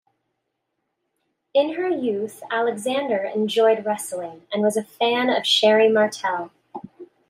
In her youth, Alexander enjoyed wrestling and was a fan of Sherri Martel.